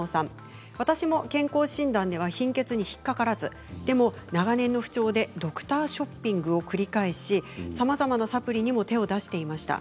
私も健康診断では貧血で引っ掛からずでも長年の不調でドクターショッピングを繰り返しさまざまなサプリにも手を出していました。